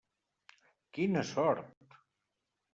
Quina sort!